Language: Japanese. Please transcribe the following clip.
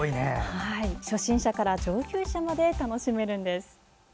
初心者から上級者まで楽しめるんです。